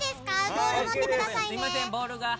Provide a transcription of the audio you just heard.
ボール持ってくださいね。